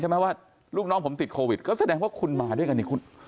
ใช่ไหมว่าลูกน้องผมติดเขาแสดงว่าคุณมาด้วยกันเนี้ย